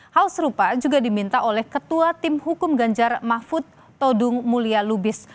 hal serupa juga diminta oleh ketua tim hukum ganjar mahfud todung mulia lubis